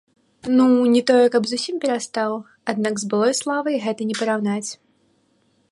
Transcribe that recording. Ну, не тое каб зусім перастаў, аднак з былой славай гэта не параўнаць.